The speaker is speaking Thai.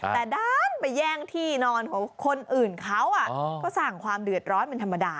แต่ด้านไปแย่งที่นอนของคนอื่นเขาก็สร้างความเดือดร้อนเป็นธรรมดา